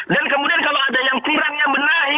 dan kemudian kalau ada yang kurang yang benahi